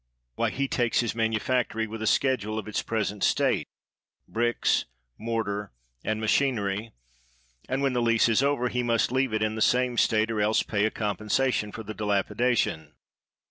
Why, he takes his manufactory with a schedule of its present state — bricks, mor 162 COBDEN tar, and machinery — and when the lease is over, he must leave it in the same state, or else pay a compensation for the dilapidation.